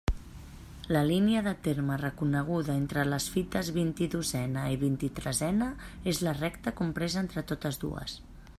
La línia de terme reconeguda entre les fites vint-i-dosena i vint-i-tresena és la recta compresa entre totes dues.